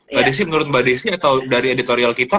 mbak desi menurut mbak desi atau dari editorial kita